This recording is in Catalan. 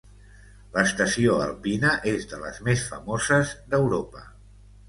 L'estació alpina és de les més famoses d'Europa.